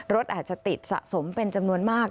รถอาจจะติดสะสมเป็นจำนวนมาก